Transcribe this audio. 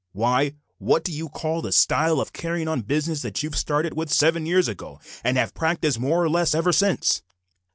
Why, what do you call the style of carrying on business that you started with seven years ago, and have practised more or less ever since?"